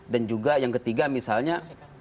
dan juga yang ketiga misalnya